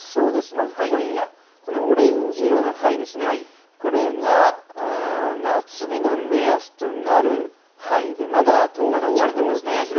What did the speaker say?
まず今夜、このオレンジ色の範囲、これが夏日の目安となる範囲でまだ東北地方を覆っています。